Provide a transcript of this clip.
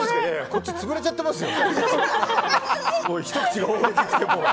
こっち潰れちゃってますよ。